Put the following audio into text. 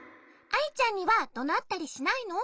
アイちゃんにはどなったりしないの？